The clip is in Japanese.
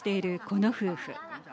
この夫婦。